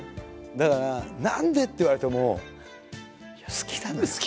だから「何で？」って言われても好きなんですよ。